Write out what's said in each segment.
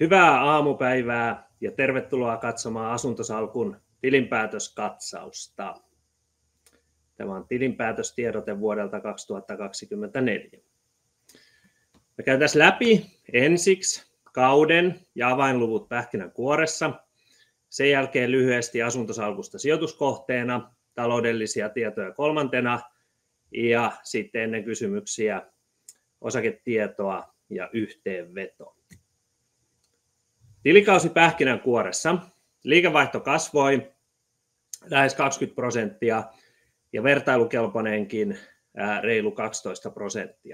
Hyvää aamupäivää ja tervetuloa katsomaan Asuntosalkun tilinpäätöskatsausta. Tämä on tilinpäätöstiedote vuodelta 2024. Me käydään läpi ensiksi kauden ja avainluvut pähkinänkuoressa. Sen jälkeen lyhyesti Asuntosalkusta sijoituskohteena, taloudellisia tietoja kolmantena. Sitten ennen kysymyksiä osaketietoa ja yhteenveto. Tilikausi pähkinänkuoressa: liikevaihto kasvoi lähes 20% ja vertailukelpoinenkin reilu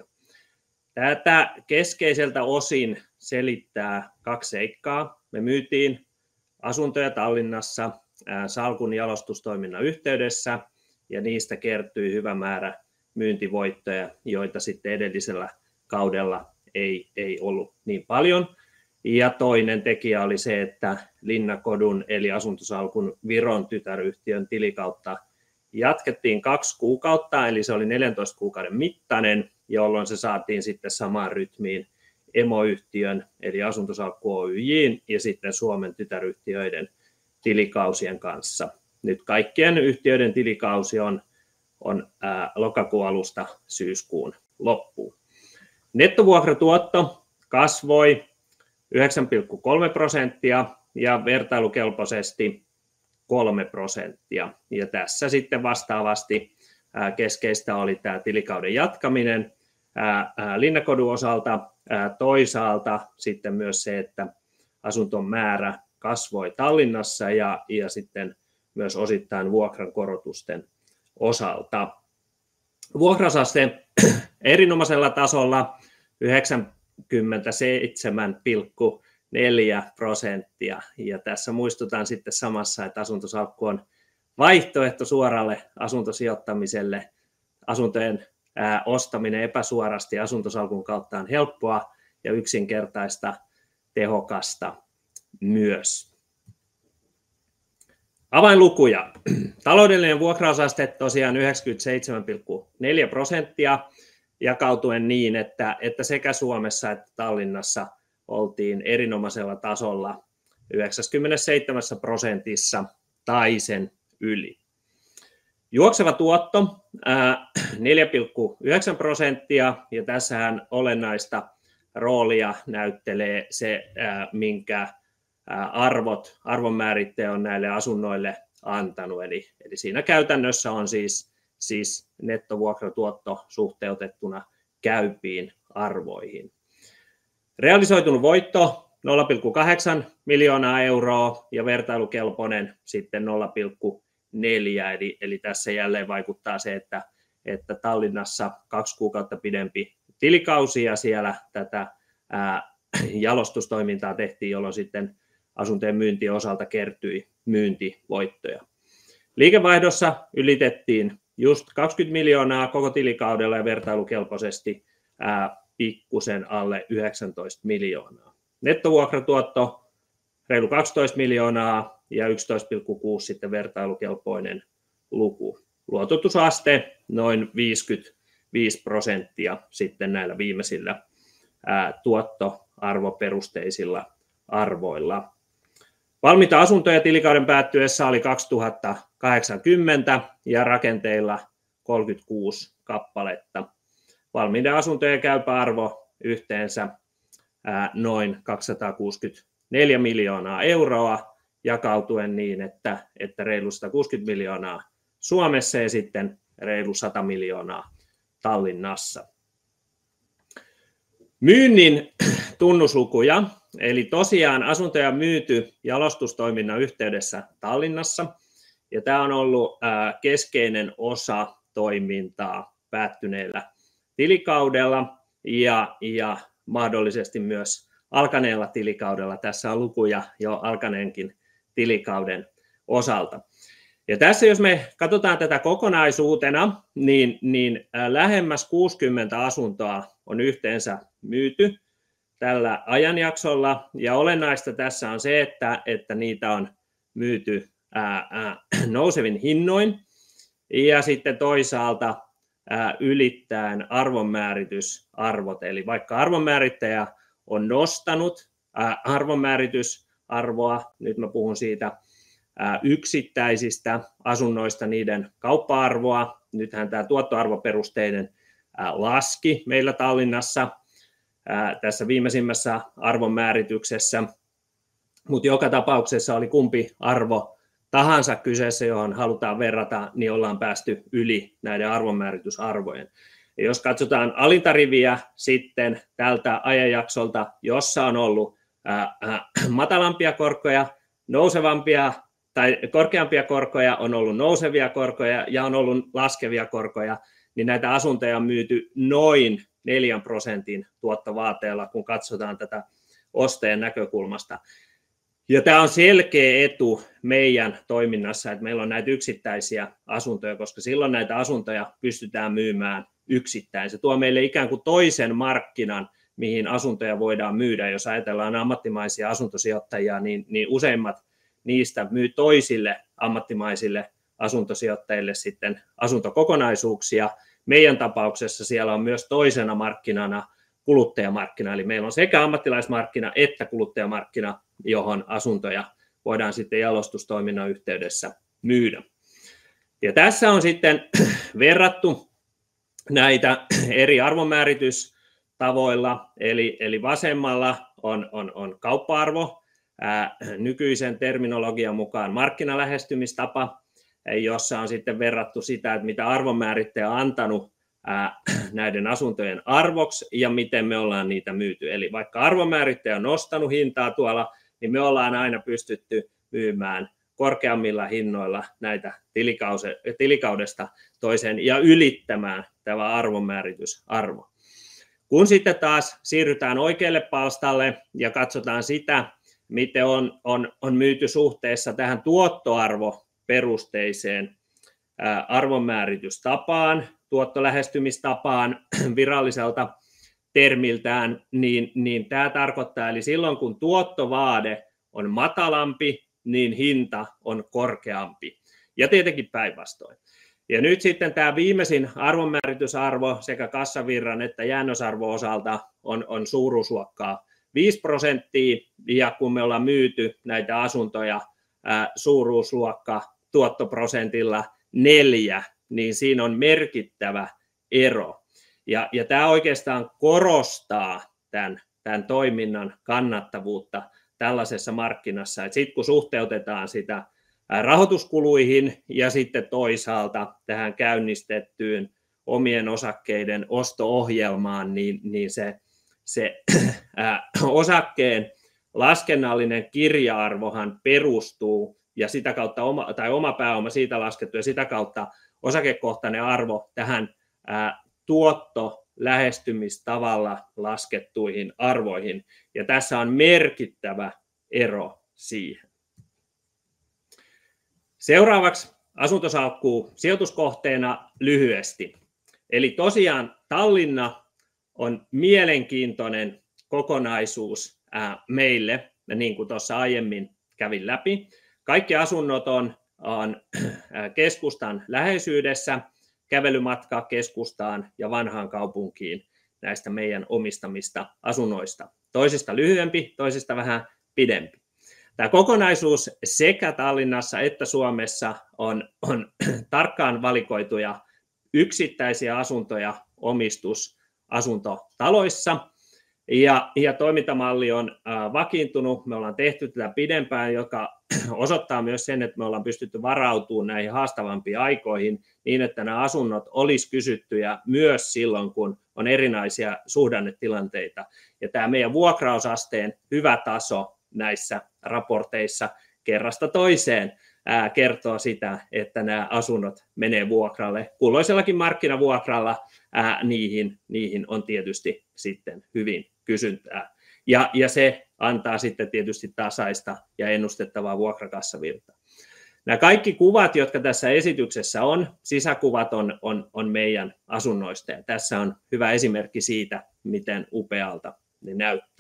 12%. Tätä keskeiseltä osin selittää kaksi seikkaa. Me myytiin asuntoja Tallinnassa salkun jalostustoiminnan yhteydessä, ja niistä kertyi hyvä määrä myyntivoittoja, joita sitten edellisellä kaudella ei ollut niin paljon. Toinen tekijä oli se, että Linnakodun, eli Asuntosalkun Viron tytäryhtiön tilikautta jatkettiin kaksi kuukautta, eli se oli 14 kuukauden mittainen, jolloin se saatiin sitten samaan rytmiin emoyhtiön, eli Asuntosalkku Oy:n, ja sitten Suomen tytäryhtiöiden tilikausien kanssa. Nyt kaikkien yhtiöiden tilikausi on lokakuun alusta syyskuun loppuun. Nettovuokratuotto kasvoi 9,3% ja vertailukelpoisesti 3%. Tässä sitten vastaavasti keskeistä oli tämä tilikauden jatkaminen Linnakodun osalta. Toisaalta sitten myös se, että asuntojen määrä kasvoi Tallinnassa ja sitten myös osittain vuokrankorotusten osalta. Vuokra-aste erinomaisella tasolla, 97,4%. Tässä muistutan sitten samassa, että Asuntosalkku on vaihtoehto suoralle asuntosijoittamiselle. Asuntojen ostaminen epäsuorasti Asuntosalkun kautta on helppoa ja yksinkertaista, tehokasta myös. Avainlukuja: taloudellinen vuokra-aste tosiaan 97,4%, jakautuen niin, että sekä Suomessa että Tallinnassa oltiin erinomaisella tasolla 97% tai sen yli. Juokseva tuotto 4,9%, ja tässähän olennaista roolia näyttelee se, minkä arvot arvonmäärittäjä on näille asunnoille antanut. Siinä käytännössä on siis nettovuokratuotto suhteutettuna käypiin arvoihin. Realisoitunut voitto €0,8 miljoonaa ja vertailukelpoinen sitten €0,4 miljoonaa. Tässä jälleen vaikuttaa se, että Tallinnassa kaksi kuukautta pidempi tilikausi ja siellä tätä jalostustoimintaa tehtiin, jolloin sitten asuntojen myyntien osalta kertyi myyntivoittoja. Liikevaihdossa ylitettiin €20 miljoonaa koko tilikaudella ja vertailukelpoisesti pikkuisen alle €19 miljoonaa. Nettovuokratuotto reilu €12 miljoonaa ja €11,6 miljoonaa sitten vertailukelpoinen luku. Luototusaste noin 55% sitten näillä viimeisillä tuottoarvoperusteisilla arvoilla. Valmiita asuntoja tilikauden päättyessä oli 2,080 ja rakenteilla 36 kappaletta. Valmiiden asuntojen käypäarvo yhteensä noin €264 miljoonaa jakautuen niin, että reilusta €60 miljoonaa Suomessa ja sitten reilu €100 miljoonaa Tallinnassa. Myynnin tunnuslukuja, eli tosiaan asuntoja on myyty jalostustoiminnan yhteydessä Tallinnassa, ja tämä on ollut keskeinen osa toimintaa päättyneellä tilikaudella ja mahdollisesti myös alkaneella tilikaudella. Tässä on lukuja jo alkaneenkin tilikauden osalta. Jos me katsotaan tätä kokonaisuutena, niin lähemmäs 60 asuntoa on yhteensä myyty tällä ajanjaksolla. Olennaista tässä on se, että niitä on myyty nousevin hinnoin ja sitten toisaalta ylittäen arvonmääritysarvot. Eli vaikka arvonmäärittäjä on nostanut arvonmääritysarvoa, nyt mä puhun siitä yksittäisistä asunnoista, niiden kauppa-arvoa. Nythän tämä tuottoarvoperusteinen laski meillä Tallinnassa tässä viimeisimmässä arvonmäärityksessä. Mutta joka tapauksessa oli kumpi arvo tahansa kyseessä, johon halutaan verrata, niin ollaan päästy yli näiden arvonmääritysarvojen. Jos katsotaan alinta riviä sitten tältä ajanjaksolta, jossa on ollut matalampia korkoja, nousevampia tai korkeampia korkoja, on ollut nousevia korkoja ja on ollut laskevia korkoja, niin näitä asuntoja on myyty noin 4% tuottovaateella, kun katsotaan tätä ostajan näkökulmasta. Tämä on selkeä etu meidän toiminnassa, että meillä on näitä yksittäisiä asuntoja, koska silloin näitä asuntoja pystytään myymään yksittäin. Se tuo meille toisen markkinan, mihin asuntoja voidaan myydä. Jos ajatellaan ammattimaisia asuntosijoittajia, niin useimmat niistä myy toisille ammattimaisille asuntosijoittajille sitten asuntokokonaisuuksia. Meidän tapauksessa siellä on myös toisena markkinana kuluttajamarkkina, eli meillä on sekä ammattilaismarkkina että kuluttajamarkkina, johon asuntoja voidaan sitten jalostustoiminnan yhteydessä myydä. Tässä on sitten verrattu näitä eri arvonmääritystavoilla, eli vasemmalla on kauppa-arvo, nykyisen terminologian mukaan markkinalähestymistapa, jossa on sitten verrattu sitä, että mitä arvonmäärittäjä on antanut näiden asuntojen arvoksi ja miten me ollaan niitä myyty. Eli vaikka arvonmäärittäjä on nostanut hintaa tuolla, niin me ollaan aina pystytty myymään korkeammilla hinnoilla näitä tilikaudesta toiseen ja ylittämään tämä arvonmääritysarvo. Kun sitten taas siirrytään oikealle palstalle ja katsotaan sitä, miten on myyty suhteessa tähän tuottoarvoperusteiseen arvonmääritystapaan, tuottolähestymistapaan viralliselta termiltään, niin tämä tarkoittaa sitä, että silloin kun tuottovaade on matalampi, niin hinta on korkeampi. Ja tietenkin päinvastoin. Nyt sitten tämä viimeisin arvonmääritysarvo sekä kassavirran että jäännösarvon osalta on suuruusluokkaa 5%, ja kun me ollaan myyty näitä asuntoja suuruusluokka tuottoprosentilla 4%, niin siinä on merkittävä ero. Tämä oikeastaan korostaa tämän toiminnan kannattavuutta tällaisessa markkinassa. Sitten kun suhteutetaan sitä rahoituskuluihin ja sitten toisaalta tähän käynnistettyyn omien osakkeiden osto-ohjelmaan, niin se osakkeen laskennallinen kirja-arvohan perustuu ja sitä kautta tai oma pääoma siitä laskettu ja sitä kautta osakekohtainen arvo tähän tuottolähestymistavalla laskettuihin arvoihin. Tässä on merkittävä ero siihen. Seuraavaksi Asuntosalkku sijoituskohteena lyhyesti. Eli tosiaan Tallinna on mielenkiintoinen kokonaisuus meille, niin kuin tuossa aiemmin kävin läpi. Kaikki asunnot on keskustan läheisyydessä, kävelymatka keskustaan ja Vanhaankaupunkiin näistä meidän omistamista asunnoista. Toisista lyhyempi, toisista vähän pidempi. Tämä kokonaisuus sekä Tallinnassa että Suomessa on tarkkaan valikoituja yksittäisiä asuntoja omistusasuntotaloissa. Toimintamalli on vakiintunut. Me ollaan tehty tätä pidempään, joka osoittaa myös sen, että me ollaan pystytty varautumaan näihin haastavampiin aikoihin niin, että nämä asunnot olisi kysyttyjä myös silloin, kun on erinäisiä suhdannetilanteita. Tämä meidän vuokrausasteen hyvä taso näissä raporteissa kerrasta toiseen kertoo sitä, että nämä asunnot menee vuokralle. Kulloisellakin markkinavuokralla niihin on tietysti sitten hyvin kysyntää. Se antaa sitten tietysti tasaista ja ennustettavaa vuokrakassavirtaa. Nämä kaikki kuvat, jotka tässä esityksessä on, sisäkuvat on meidän asunnoista. Tässä on hyvä esimerkki siitä, miten upealta ne näyttää.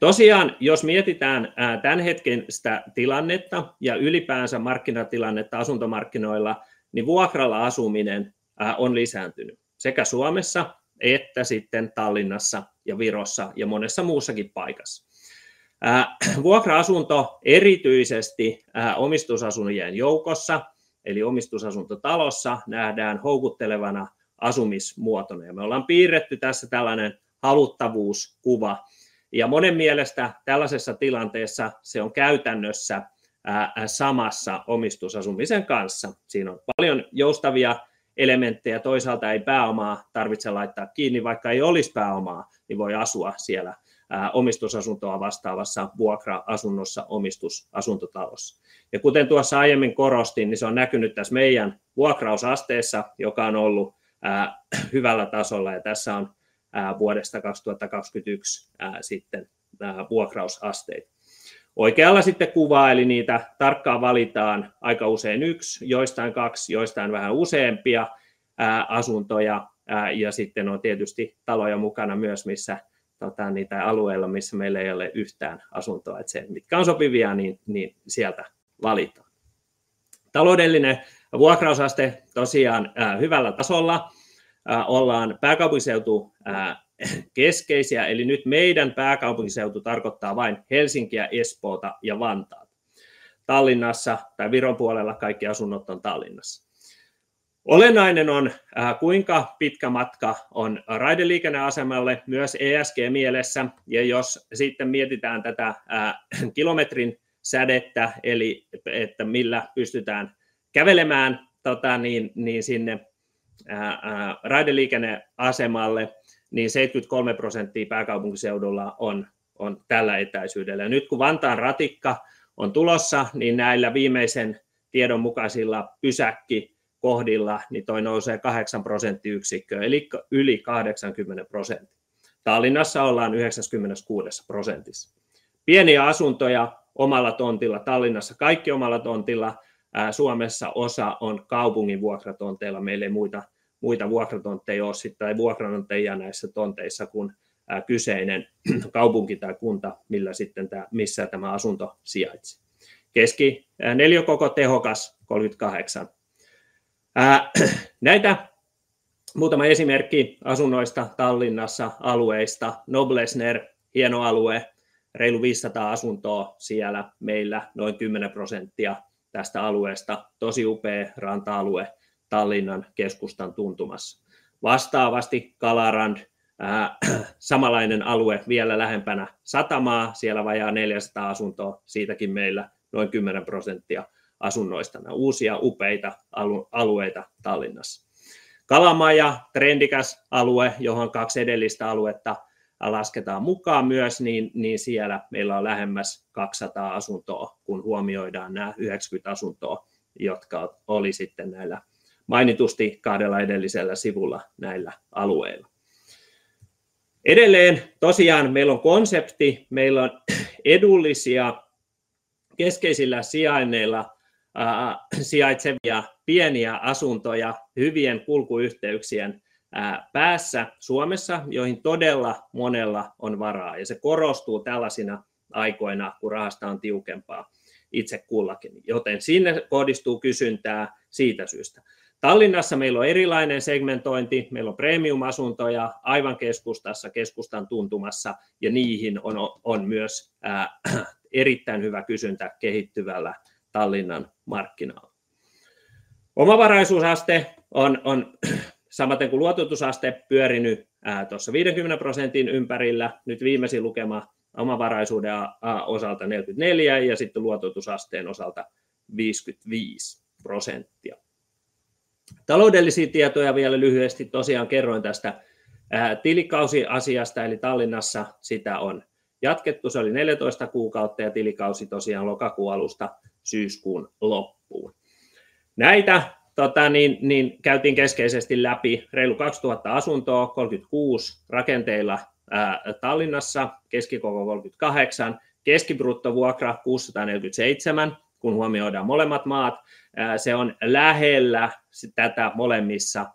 Tosiaan, jos mietitään tämän hetken tilannetta ja ylipäänsä markkinatilannetta asuntomarkkinoilla, niin vuokralla asuminen on lisääntynyt sekä Suomessa että Tallinnassa ja Virossa ja monessa muussakin paikassa. Vuokra-asunto erityisesti omistusasujien joukossa, eli omistusasuntotalossa, nähdään houkuttelevana asumismuotona. Me ollaan piirretty tässä tällainen haluttavuuskuva. Monen mielestä tällaisessa tilanteessa se on käytännössä samassa omistusasumisen kanssa. Siinä on paljon joustavia elementtejä. Toisaalta ei pääomaa tarvitse laittaa kiinni, vaikka ei olisi pääomaa, niin voi asua siellä omistusasuntoa vastaavassa vuokra-asunnossa omistusasuntotalossa. Kuten tuossa aiemmin korostin, niin se on näkynyt tässä meidän vuokrausasteessa, joka on ollut hyvällä tasolla. Tässä on vuodesta 2021 vuokrausasteita. Oikealla kuvaa, eli niitä tarkkaan valitaan aika usein yksi, joistain kaksi, joistain vähän useampia asuntoja. Sitten on tietysti taloja mukana myös, missä niitä alueilla, missä meillä ei ole yhtään asuntoa. Se, mitkä on sopivia, niin sieltä valitaan. Taloudellinen vuokrausaste tosiaan hyvällä tasolla. Ollaan pääkaupunkiseutukeskeisiä, eli nyt meidän pääkaupunkiseutu tarkoittaa vain Helsinkiä, Espoota ja Vantaata. Tallinnassa tai Viron puolella kaikki asunnot on Tallinnassa. Olennainen on, kuinka pitkä matka on raideliikenneasemalle myös ESG-mielessä. Jos sitten mietitään tätä kilometrin sädettä, eli että millä pystytään kävelemään sinne raideliikenneasemalle, niin 73% pääkaupunkiseudulla on tällä etäisyydellä. Nyt kun Vantaan ratikka on tulossa, niin näillä viimeisen tiedon mukaisilla pysäkkikohdilla, toi nousee kahdeksan prosenttiyksikköä, eli yli 80%. Tallinnassa ollaan 96%:ssa. Pieniä asuntoja omalla tontilla Tallinnassa, kaikki omalla tontilla. Suomessa osa on kaupungin vuokratonteilla. Meillä ei muita vuokratontteja ole sitten tai vuokranantajia näissä tonteissa kuin kyseinen kaupunki tai kunta, millä sitten tämä missä tämä asunto sijaitsee. Keskineliökoko tehokas 38. Näitä muutama esimerkki asunnoista Tallinnassa alueista. Noblessner, hieno alue, reilu 500 asuntoa siellä. Meillä noin 10% tästä alueesta. Tosi upea ranta-alue Tallinnan keskustan tuntumassa. Vastaavasti Kalarand, samanlainen alue vielä lähempänä satamaa. Siellä vajaa 400 asuntoa. Siitäkin meillä noin 10% asunnoista. Nämä uusia upeita alueita Tallinnassa. Kalamaja, trendikäs alue, johon kaksi edellistä aluetta lasketaan mukaan myös, niin siellä meillä on lähemmäs 200 asuntoa, kun huomioidaan nämä 90 asuntoa, jotka oli sitten näillä mainitusti kahdella edellisellä sivulla näillä alueilla. Edelleen tosiaan meillä on konsepti. Meillä on edullisia keskeisillä sijainneilla sijaitsevia pieniä asuntoja hyvien kulkuyhteyksien päässä Suomessa, joihin todella monella on varaa. Se korostuu tällaisina aikoina, kun rahasta on tiukempaa itse kullakin. Joten sinne kohdistuu kysyntää siitä syystä. Tallinnassa meillä on erilainen segmentointi. Meillä on premium-asuntoja aivan keskustassa, keskustan tuntumassa, ja niihin on myös erittäin hyvä kysyntä kehittyvällä Tallinnan markkinalla. Omavaraisuusaste on, samaten kuin luototusaste, pyörinyt tuossa 50% ympärillä. Nyt viimeisin lukema omavaraisuuden osalta 44% ja sitten luototusasteen osalta 55%. Taloudellisia tietoja vielä lyhyesti. Tosiaan kerroin tästä tilikausiasiasta, eli Tallinnassa sitä on jatkettu. Se oli 14 kuukautta ja tilikausi tosiaan lokakuun alusta syyskuun loppuun. Näitä käytiin keskeisesti läpi. Reilu 2000 asuntoa, 36 rakenteilla Tallinnassa, keskikoko 38, keskibrutto vuokra €647, kun huomioidaan molemmat maat. Se on lähellä tätä molemmissa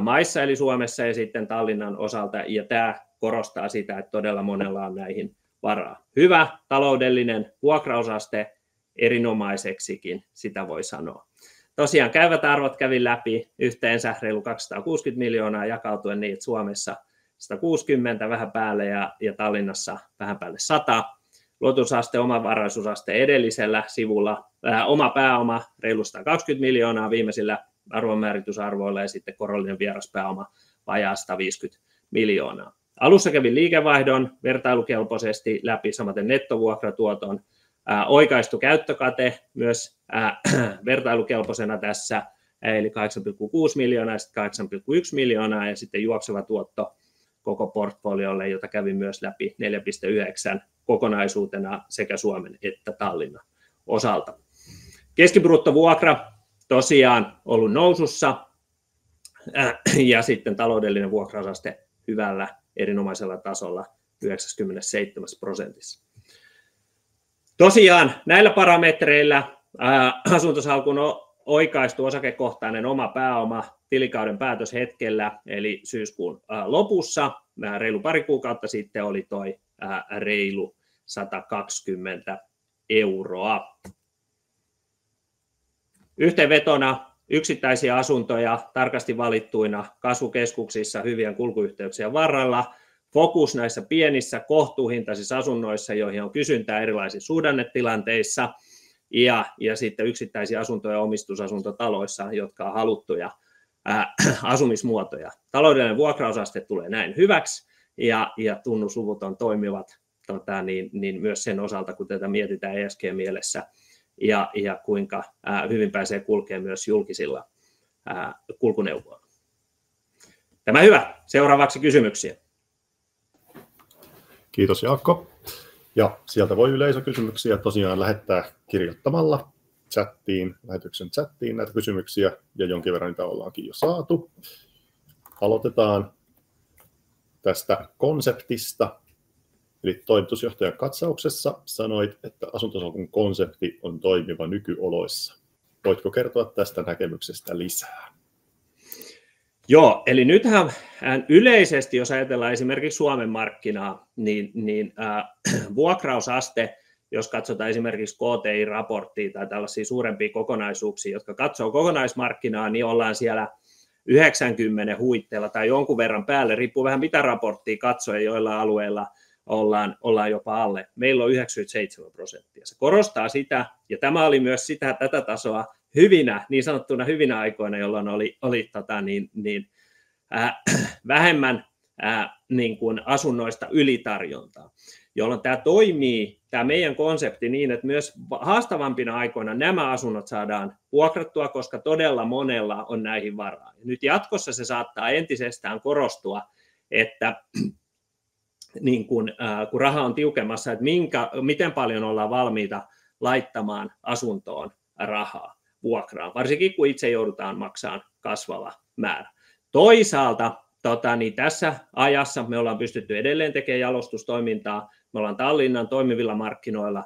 maissa, eli Suomessa ja sitten Tallinnan osalta. Ja tämä korostaa sitä, että todella monella on näihin varaa. Hyvä taloudellinen vuokrausaste, erinomaiseksikin sitä voi sanoa. Tosiaan käyvät arvot kävin läpi yhteensä reilu €260 miljoonaa jakautuen niin, että Suomessa €160 miljoonaa vähän päälle ja Tallinnassa vähän päälle €100 miljoonaa. Luototusaste, omavaraisuusaste edellisellä sivulla. Oma pääoma reilu €120 miljoonaa viimeisillä arvonmääritysarvoilla ja sitten korollinen vieraspääoma vajaa €150 miljoonaa. Alussa kävin liikevaihdon vertailukelpoisesti läpi, samaten nettovuokratuoton. Oikaistu käyttökate myös vertailukelpoisena tässä, eli €8,6 miljoonaa ja sitten €8,1 miljoonaa ja sitten juokseva tuotto koko portfoliolle, jota kävin myös läpi, 4,9% kokonaisuutena sekä Suomen että Tallinnan osalta. Keskibrutto vuokra tosiaan on ollut nousussa ja sitten taloudellinen vuokrausaste hyvällä, erinomaisella tasolla 97%:ssa. Tosiaan näillä parametreillä Asuntosalkkuun oikaistu osakekohtainen oma pääoma tilikauden päätöshetkellä, eli syyskuun lopussa, reilu pari kuukautta sitten oli tuo reilu €120. Yhteenvetona yksittäisiä asuntoja tarkasti valittuina kasvukeskuksissa hyvien kulkuyhteyksien varrella. Fokus näissä pienissä kohtuuhintaisissa asunnoissa, joihin on kysyntää erilaisissa suhdannetilanteissa ja sitten yksittäisiä asuntoja omistusasuntotaloissa, jotka on haluttuja asumismuotoja. Taloudellinen vuokrausaste tulee näin hyväksi ja tunnusluvut on toimivat niin myös sen osalta, kun tätä mietitään ESG-mielessä ja kuinka hyvin pääsee kulkemaan myös julkisilla kulkuneuvoilla. Tämä hyvä. Seuraavaksi kysymyksiä. Kiitos, Jaakko. Ja sieltä voi yleisökysymyksiä tosiaan lähettää kirjoittamalla chattiin, lähetyksen chattiin näitä kysymyksiä ja jonkin verran niitä ollaankin jo saatu. Aloitetaan tästä konseptista. Eli toimitusjohtajan katsauksessa sanoit, että Asuntosalkun konsepti on toimiva nykyoloissa. Voitko kertoa tästä näkemyksestä lisää? Joo, eli nyt yleisesti, jos ajatellaan esimerkiksi Suomen markkinaa, niin vuokrausaste, jos katsotaan esimerkiksi KTI-raporttia tai tällaisia suurempia kokonaisuuksia, jotka katsoo kokonaismarkkinaa, niin ollaan siellä 90% huitteilla tai jonkun verran päällä, riippuu vähän mitä raporttia katsoo, ja joillain alueilla ollaan jopa alle. Meillä on 97%. Se korostaa sitä, ja tämä oli myös sitä tätä tasoa hyvinä, niin sanottuna hyvinä aikoina, jolloin oli vähemmän asunnoista ylitarjontaa. Jolloin tämä toimii, tämä meidän konsepti niin, että myös haastavampina aikoina nämä asunnot saadaan vuokrattua, koska todella monella on näihin varaa. Nyt jatkossa se saattaa entisestään korostua, että kun raha on tiukemmassa, että miten paljon ollaan valmiita laittamaan asuntoon rahaa vuokraan. Varsinkin kun itse joudutaan maksamaan kasvava määrä. Toisaalta tässä ajassa me ollaan pystytty edelleen tekemään jalostustoimintaa. Me ollaan Tallinnan toimivilla markkinoilla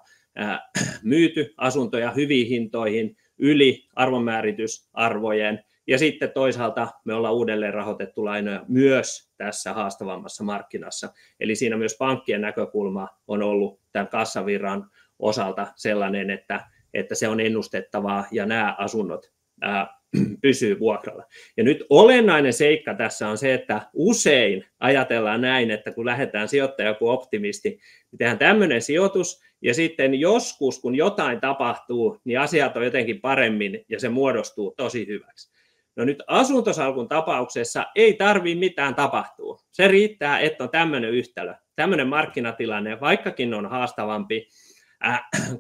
myyty asuntoja hyviin hintoihin yli arvonmääritysarvojen. Ja sitten toisaalta me ollaan uudelleen rahoitettu lainoja myös tässä haastavammassa markkinassa. Eli siinä myös pankkien näkökulma on ollut tämän kassavirran osalta sellainen, että se on ennustettavaa ja nämä asunnot pysyy vuokralla. Ja nyt olennainen seikka tässä on se, että usein ajatellaan näin, että kun lähdetään sijoittaja joku optimisti, niin tehdään tämmöinen sijoitus ja sitten joskus, kun jotain tapahtuu, niin asiat on jotenkin paremmin ja se muodostuu tosi hyväksi. No nyt Asuntosalkun tapauksessa ei tarvitse mitään tapahtua. Se riittää, että on tämmöinen yhtälö. Tämmöinen markkinatilanne, vaikkakin on haastavampi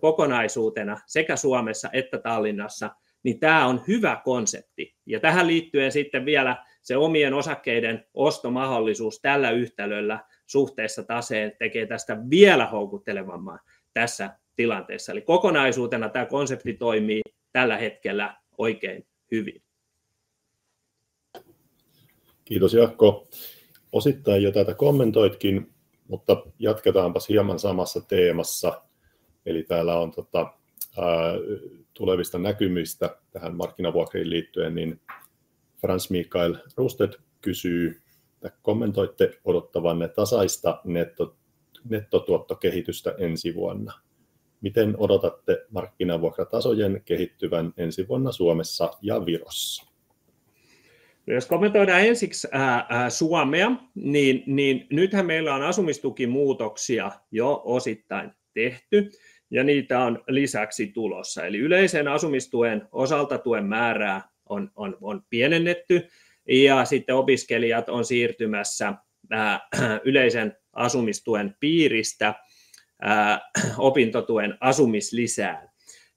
kokonaisuutena sekä Suomessa että Tallinnassa, niin tämä on hyvä konsepti. Ja tähän liittyen sitten vielä se omien osakkeiden ostomahdollisuus tällä yhtälöllä suhteessa taseen tekee tästä vielä houkuttelevamman tässä tilanteessa. Eli kokonaisuutena tämä konsepti toimii tällä hetkellä oikein hyvin. Kiitos, Jaakko. Osittain jo tätä kommentoitkin, mutta jatketaanpas hieman samassa teemassa. Eli täällä on tulevista näkymistä tähän markkinavuokriin liittyen. Niin Frans-Mikael Rostedt kysyy, että kommentoitte odottavaneen tasaista nettotuottokehitystä ensi vuonna. Miten odotatte markkinavuokratasojen kehittyvän ensi vuonna Suomessa ja Virossa? Jos kommentoidaan ensiksi Suomea, niin nythän meillä on asumistukimuutoksia jo osittain tehty ja niitä on lisäksi tulossa. Yleisen asumistuen osalta tuen määrää on pienennetty ja sitten opiskelijat on siirtymässä yleisen asumistuen piiristä opintotuen asumislisään,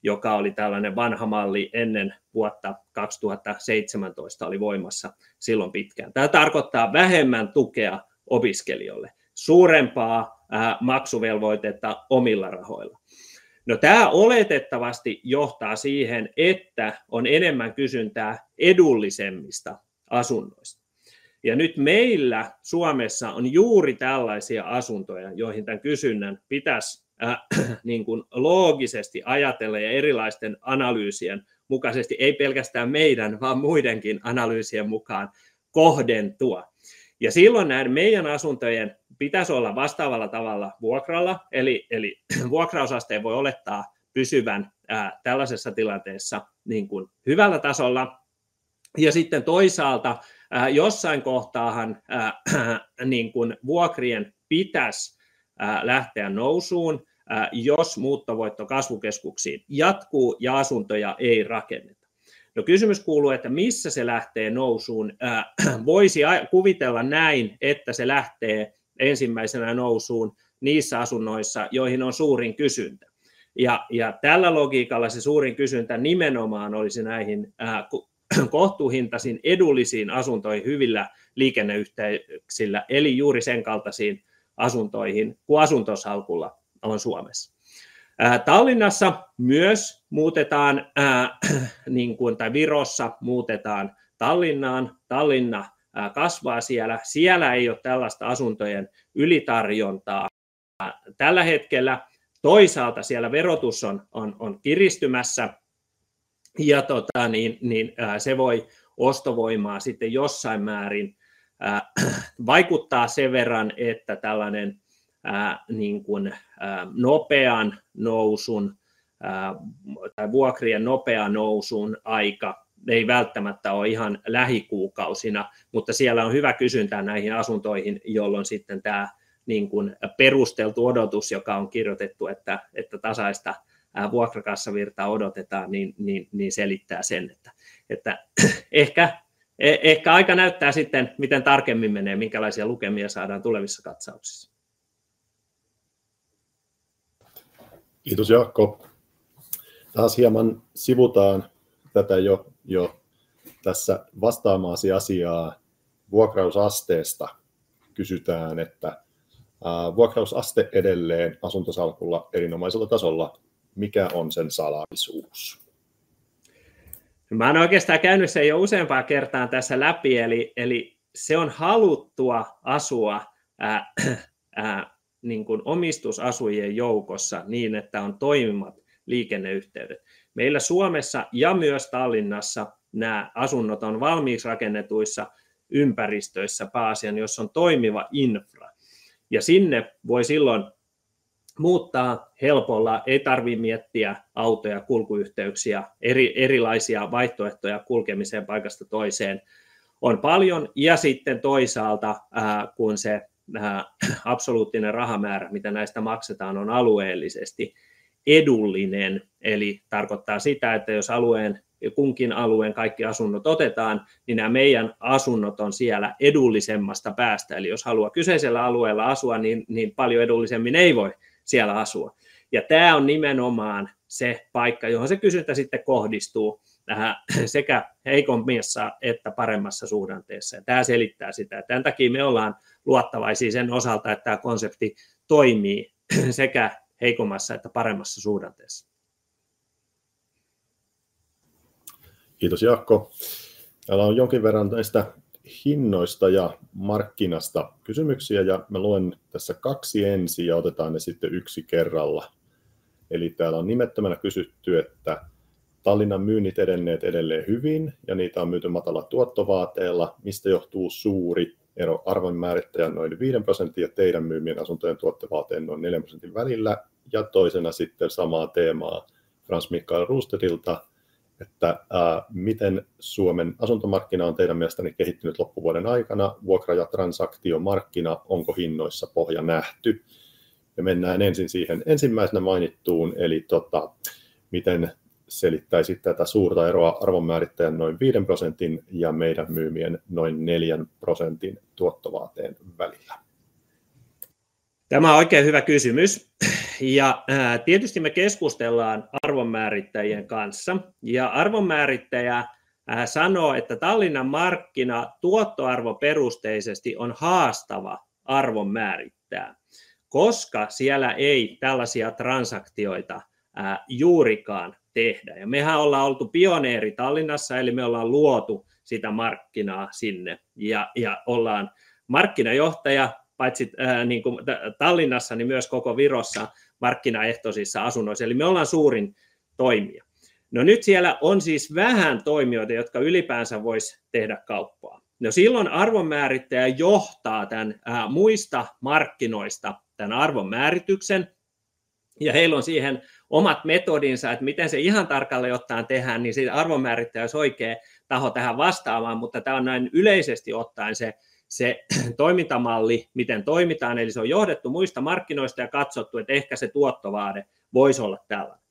joka oli tällainen vanha malli ennen vuotta 2017, oli voimassa silloin pitkään. Tämä tarkoittaa vähemmän tukea opiskelijoille, suurempaa maksuvelvoitetta omilla rahoilla. Tämä oletettavasti johtaa siihen, että on enemmän kysyntää edullisemmista asunnoista. Nyt meillä Suomessa on juuri tällaisia asuntoja, joihin tämän kysynnän pitäisi loogisesti ajatella ja erilaisten analyysien mukaisesti, ei pelkästään meidän vaan muidenkin analyysien mukaan kohdentua. Silloin näiden meidän asuntojen pitäisi olla vastaavalla tavalla vuokralla, vuokrausasteen voi olettaa pysyvän tällaisessa tilanteessa hyvällä tasolla. Ja sitten toisaalta jossain kohtaa vuokrien pitäisi lähteä nousuun, jos muuttovoitto kasvukeskuksiin jatkuu ja asuntoja ei rakenneta. Kysymys kuuluu, että missä se lähtee nousuun. Voisi kuvitella, että se lähtee ensimmäisenä nousuun niissä asunnoissa, joihin on suurin kysyntä. Tällä logiikalla se suurin kysyntä olisi nimenomaan näihin kohtuuhintaisiin, edullisiin asuntoihin hyvillä liikenneyhteyksillä, eli juuri sen kaltaisiin asuntoihin, kuin Asuntosalkulla on Suomessa. Tallinnassa myös muutetaan tai Virossa muutetaan Tallinnaan. Tallinna kasvaa siellä. Siellä ei ole tällaista asuntojen ylitarjontaa tällä hetkellä. Toisaalta siellä verotus on kiristymässä ja se voi ostovoimaa sitten jossain määrin vaikuttaa sen verran, että tällainen nopean nousun tai vuokrien nopean nousun aika ei välttämättä ole ihan lähikuukausina. Mutta siellä on hyvä kysyntä näihin asuntoihin, jolloin sitten tämä perusteltu odotus, joka on kirjoitettu, että tasaista vuokrakassavirtaa odotetaan, selittää sen, että ehkä aika näyttää sitten, miten tarkemmin menee, minkälaisia lukemia saadaan tulevissa katsauksissa. Kiitos, Jaakko. Taas hieman sivutaan tätä jo tässä vastaamasi asiaa. Vuokrausasteesta kysytään, että vuokrausaste edelleen Asuntosalkulla erinomaisella tasolla. Mikä on sen salaisuus? Olen oikeastaan käynyt sen jo useampaan kertaan tässä läpi, eli se on haluttua asua omistusasujien joukossa, että on toimivat liikenneyhteydet. Meillä Suomessa ja myös Tallinnassa nämä asunnot on valmiiksi rakennetuissa ympäristöissä pääasiassa, jos on toimiva infra. Sinne voi silloin muuttaa helpolla, ei tarvitse miettiä autoja, kulkuyhteyksiä, erilaisia vaihtoehtoja kulkemiseen paikasta toiseen on paljon. Ja sitten toisaalta, kun se absoluuttinen rahamäärä, mitä näistä maksetaan, on alueellisesti edullinen, eli tarkoittaa sitä, että jos alueen kunkin alueen kaikki asunnot otetaan, niin nämä meidän asunnot on siellä edullisemmasta päästä. Eli jos haluaa kyseisellä alueella asua, niin paljon edullisemmin ei voi siellä asua. Ja tämä on nimenomaan se paikka, johon se kysyntä sitten kohdistuu sekä heikommassa että paremmassa suhdanteessa. Ja tämä selittää sitä, että tämän takia me ollaan luottavaisia sen osalta, että tämä konsepti toimii sekä heikommassa että paremmassa suhdanteessa. Kiitos, Jaakko. Täällä on jonkin verran näistä hinnoista ja markkinasta kysymyksiä, ja mä luen tässä kaksi ensin ja otetaan ne sitten yksi kerralla. Eli täällä on nimettömänä kysytty, että Tallinnan myynnit edenneet edelleen hyvin ja niitä on myyty matalalla tuottovaateella, mistä johtuu suuri ero arvonmäärittäjän noin 5% ja teidän myymien asuntojen tuottovaateen noin 4% välillä. Ja toisena sitten samaa teemaa Frans-Mikael Rostedilta, että miten Suomen asuntomarkkina on teidän mielestänne kehittynyt loppuvuoden aikana? Vuokra- ja transaktiomarkkina, onko hinnoissa pohja nähty? Ja mennään ensin siihen ensimmäisenä mainittuun, eli miten selittäisit tätä suurta eroa arvonmäärittäjän noin 5% ja meidän myymien noin 4% tuottovaateen välillä? Tämä on oikein hyvä kysymys. Ja tietysti me keskustellaan arvonmäärittäjien kanssa. Arvonmäärittäjä sanoo, että Tallinnan markkina tuottoarvoperusteisesti on haastava arvonmäärittää, koska siellä ei tällaisia transaktioita juurikaan tehdä. Mehän ollaan oltu pioneeri Tallinnassa, eli me ollaan luotu sitä markkinaa sinne ja ollaan markkinajohtaja paitsi Tallinnassa, niin myös koko Virossa markkinaehtoisissa asunnoissa. Eli me ollaan suurin toimija. Nyt siellä on siis vähän toimijoita, jotka ylipäänsä voisi tehdä kauppaa. Silloin arvonmäärittäjä johtaa tämän muista markkinoista tämän arvonmäärityksen. Ja heillä on siihen omat metodinsa, että miten se ihan tarkalleen ottaen tehdään, niin siitä arvonmäärittäjä olisi oikea taho tähän vastaamaan, mutta tämä on näin yleisesti ottaen se toimintamalli, miten toimitaan. Eli se on johdettu muista markkinoista ja katsottu, että ehkä se tuottovaade voisi olla tällainen.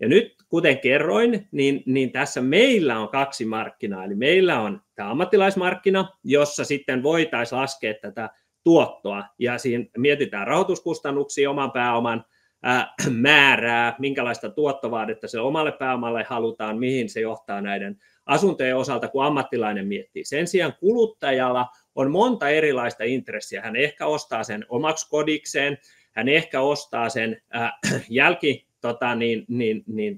Ja nyt, kuten kerroin, niin tässä meillä on kaksi markkinaa. Eli meillä on tämä ammattilaismarkkina, jossa sitten voitaisiin laskea tätä tuottoa. Ja siinä mietitään rahoituskustannuksia, oman pääoman määrää, minkälaista tuottovaadetta sille omalle pääomalle halutaan, mihin se johtaa näiden asuntojen osalta, kun ammattilainen miettii. Sen sijaan kuluttajalla on monta erilaista intressiä. Hän ehkä ostaa sen omaksi kodikseen. Hän ehkä ostaa sen jälkeläisille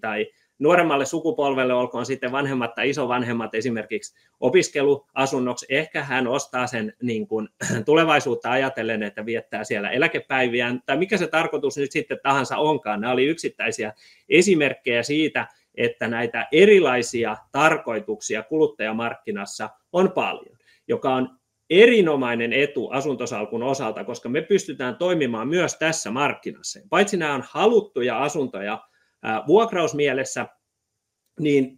tai nuoremmalle sukupolvelle, olkoon sitten vanhemmat tai isovanhemmat esimerkiksi opiskeluasunnoksi. Ehkä hän ostaa sen niin kuin tulevaisuutta ajatellen, että viettää siellä eläkepäiviään tai mikä se tarkoitus nyt sitten tahansa onkaan. Nämä olivat yksittäisiä esimerkkejä siitä, että näitä erilaisia tarkoituksia kuluttajamarkkinassa on paljon, joka on erinomainen etu Asuntosalkun osalta, koska me pystymme toimimaan myös tässä markkinassa. Paitsi että nämä ovat haluttuja asuntoja vuokrausmielessä, niin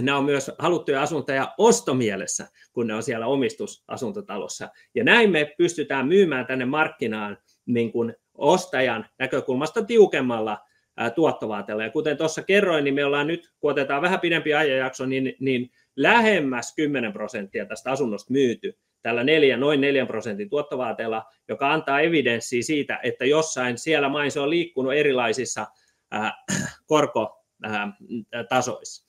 nämä ovat myös haluttuja asuntoja ostomielessä, kun ne ovat siellä omistusasuntotalossa. Näin me pystymme myymään tänne markkinaan ostajan näkökulmasta tiukemmalla tuottovaateella. Kuten tuossa kerroin, niin me olemme nyt, kun otetaan vähän pidempi ajanjakso, lähemmäs 10% tästä asunnosta myyneet tällä noin 4% tuottovaateella, joka antaa evidenssiä siitä, että jossain siellä maissa on liikkunut erilaisissa korkotasoissa.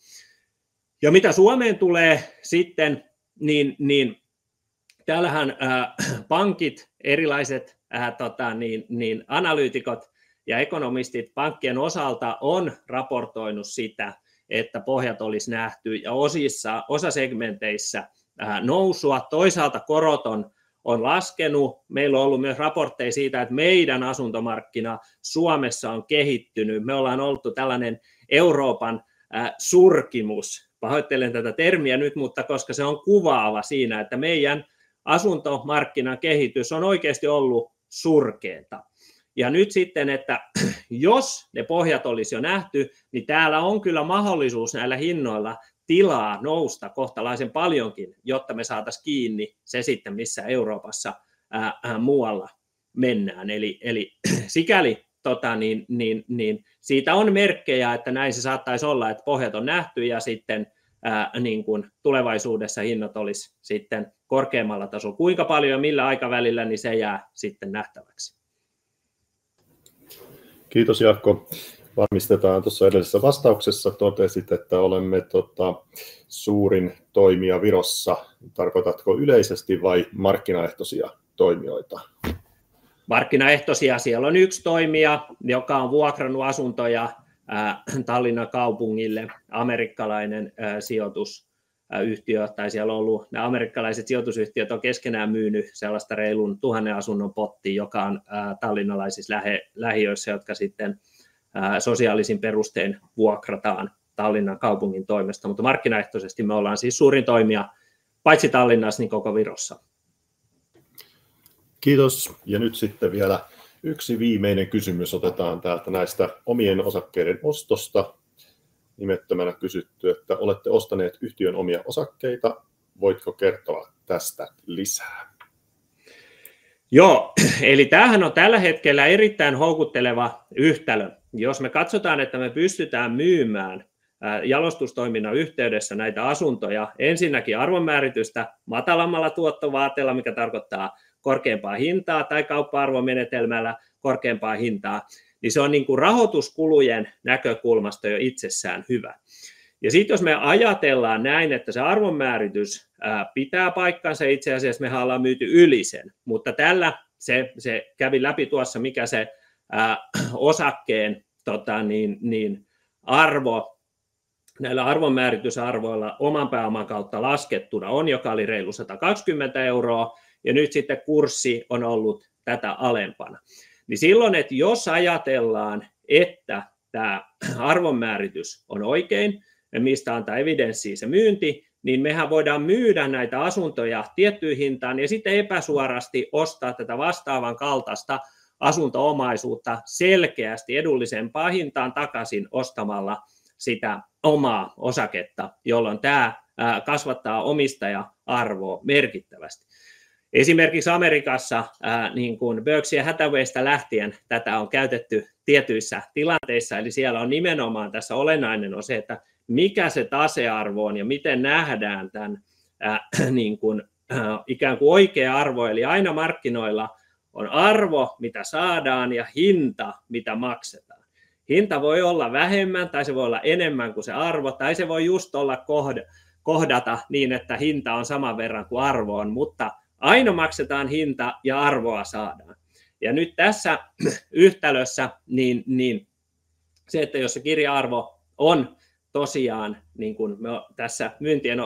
Mitä Suomeen tulee sitten, niin täällähän pankit, erilaiset analyytikot ja ekonomistit pankkien osalta ovat raportoineet sitä, että pohjat olisi nähty ja osasegmenteissä nousua. Toisaalta korot ovat laskeneet. Meillä on ollut myös raportteja siitä, että meidän asuntomarkkina Suomessa on kehittynyt. Me olemme olleet tällainen Euroopan surkimus. Pahoittelen tätä termiä nyt, mutta koska se on kuvaava siinä, että meidän asuntomarkkinan kehitys on oikeasti ollut surkeaa. Ja nyt sitten, että jos ne pohjat olisi jo nähty, niin täällä on kyllä mahdollisuus näillä hinnoilla tilaa nousta kohtalaisen paljonkin, jotta me saataisiin kiinni se sitten, missä Euroopassa muualla mennään. Eli sikäli niin siitä on merkkejä, että näin se saattaisi olla, että pohjat on nähty ja sitten niin kuin tulevaisuudessa hinnat olisi sitten korkeammalla tasolla. Kuinka paljon ja millä aikavälillä, niin se jää sitten nähtäväksi. Kiitos, Jaakko. Varmistetaan tuossa edellisessä vastauksessa. Totesit, että olemme suurin toimija Virossa. Tarkoitatko yleisesti vai markkinaehtoisia toimijoita? Markkinaehtoisia. Siellä on yksi toimija, joka on vuokrannut asuntoja Tallinnan kaupungille. Amerikkalainen sijoitusyhtiö. Tai siellä on ollut, ne amerikkalaiset sijoitusyhtiöt on keskenään myynyt sellaista reilun tuhannen asunnon pottia, joka on tallinnalaisissa lähiöissä, jotka sitten sosiaalisin perustein vuokrataan Tallinnan kaupungin toimesta. Mutta markkinaehtoisesti me ollaan siis suurin toimija, paitsi Tallinnassa, niin koko Virossa. Kiitos. Ja nyt sitten vielä yksi viimeinen kysymys. Otetaan täältä näistä omien osakkeiden ostosta. Nimettömänä kysytty, että olette ostaneet yhtiön omia osakkeita. Voitko kertoa tästä lisää? Joo, eli tämähän on tällä hetkellä erittäin houkutteleva yhtälö. Jos me katsotaan, että me pystytään myymään jalostustoiminnan yhteydessä näitä asuntoja, ensinnäkin arvonmääritystä matalammalla tuottovaateella, mikä tarkoittaa korkeampaa hintaa, tai kauppa-arvomenetelmällä korkeampaa hintaa, niin se on rahoituskulujen näkökulmasta jo itsessään hyvä. Ja sitten jos me ajatellaan näin, että se arvonmääritys pitää paikkansa, itse asiassa mehän ollaan myyty yli sen, mutta tällä se kävi läpi tuossa, mikä se osakkeen arvo näillä arvonmääritysarvoilla oman pääoman kautta laskettuna on, joka oli reilu €120, ja nyt sitten kurssi on ollut tätä alempana. Niin silloin, että jos ajatellaan, että tämä arvonmääritys on oikein, ja mistä antaa evidenssiä se myynti, niin mehän voidaan myydä näitä asuntoja tiettyyn hintaan, ja sitten epäsuorasti ostaa tätä vastaavan kaltaista asunto-omaisuutta selkeästi edullisempaan hintaan takaisin ostamalla sitä omaa osaketta, jolloin tämä kasvattaa omistaja-arvoa merkittävästi. Esimerkiksi Amerikassa niin kuin Berkshire Hathawaysta lähtien tätä on käytetty tietyissä tilanteissa, eli siellä on nimenomaan tässä olennainen on se, että mikä se tasearvo on ja miten nähdään tämän niin kuin ikään kuin oikea arvo. Eli aina markkinoilla on arvo, mitä saadaan, ja hinta, mitä maksetaan. Hinta voi olla vähemmän, tai se voi olla enemmän kuin se arvo, tai se voi just olla kohdata niin, että hinta on saman verran kuin arvo on, mutta aina maksetaan hinta ja arvoa saadaan. Ja nyt tässä yhtälössä niin se, että jos se kirja-arvo on tosiaan, niin kuin me tässä myyntien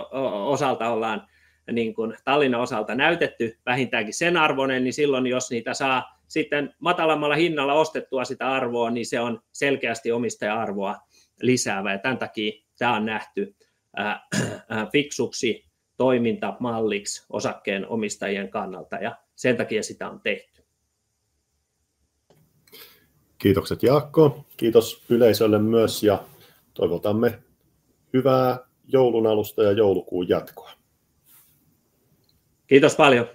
osalta ollaan niin kuin Tallinnan osalta näytetty vähintäänkin sen arvoinen, niin silloin, jos niitä saa sitten matalammalla hinnalla ostettua sitä arvoa, niin se on selkeästi omistaja-arvoa lisäävää. Ja tämän takia tämä on nähty fiksuksi toimintamalliksi osakkeenomistajien kannalta, ja sen takia sitä on tehty. Kiitokset, Jaakko. Kiitos yleisölle myös, ja toivotamme hyvää joulun alusta ja joulukuun jatkoa. Kiitos paljon.